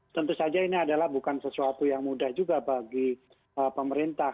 tentu saja ini adalah bukan sesuatu yang mudah juga bagi pemerintah